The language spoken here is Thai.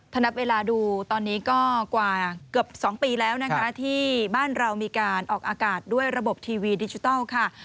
ถ้านับเวลาดูตอนนี้ก็กว่าเกือบ๒ปีแล้วนะคะที่บ้านเรามีการออกอากาศด้วยระบบทีวีดิจิทัลค่ะ